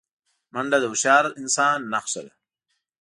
منډه د هوښیار انسان نښه ده